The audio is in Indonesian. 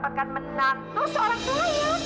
mbak akan mendapatkan menantu seorang pelayan